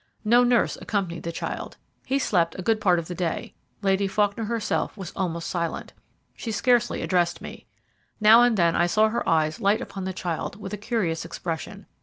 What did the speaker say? No nurse accompanied the child. He slept a good part of the day Lady Faulkner herself was almost silent. She scarcely addressed me. Now and then I saw her eyes light upon the child with a curious expression.